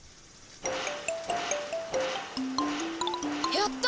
やった！